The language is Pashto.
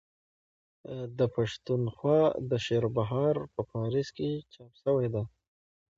د پښتونخوا دشعرهاروبهار په پاريس کي چاپ سوې ده.